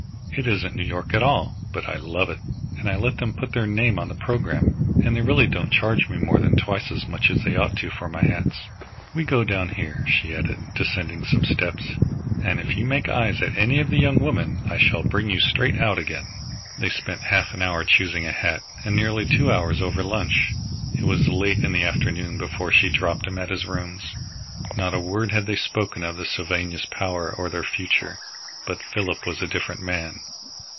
It isn't New York at all, but I love it, and I let them put their name on the programme. They really don't charge me more than twice as much as they ought to for my hats. We go down here," she added, descending some steps, "and if you make eyes at any of the young women I shall bring you straight out again." They spent half an hour choosing a hat and nearly two hours over lunch. It was late in the afternoon before she dropped him at his rooms. Not a word had they spoken of Sylvanus Power or their future, but Philip was a different man.